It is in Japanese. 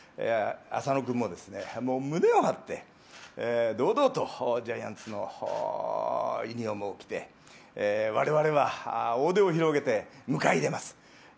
浅野君も胸を張って堂々とジャイアンツのユニフォームを着て我々は大手を広げて迎え入れます。